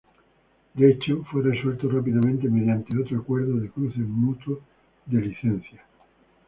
De hecho fue resuelto rápidamente mediante otro acuerdo de cruce mutuo de licencias.